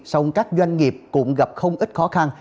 song các doanh nghiệp cũng gặp không ít khó khăn